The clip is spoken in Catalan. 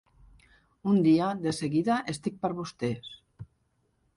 Un dia, de seguida estic per vostès.